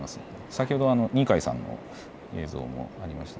先ほど二階さんの映像もありました。